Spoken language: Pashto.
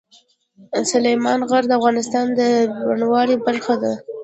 سلیمان غر د افغانستان د بڼوالۍ برخه ده.